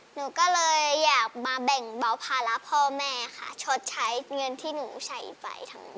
หนูก็เลยอยากมาแบ่งเบาภาระพ่อแม่ค่ะชดใช้เงินที่หนูใส่ไปทั้งหมด